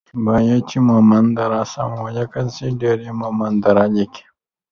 بايد چې مومند دره سمه وليکل شي ،ډير يي مومندره ليکي